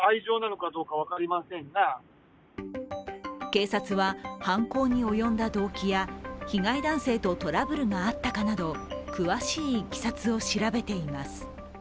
警察は犯行に及んだ動機や被害男性とトラブルがあったかなど、詳しいいきさつを調べています